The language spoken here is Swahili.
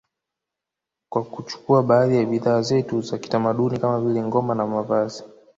Kwa kuchukua baadhi ya bidhaa zetu za kitamaduni kama vile ngoma na mavazi